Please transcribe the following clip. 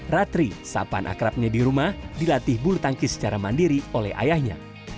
ratri sapan akrabnya di rumah dilatih bulu tangkis secara mandiri oleh ayahnya